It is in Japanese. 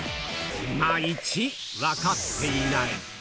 いまいち分かっていない。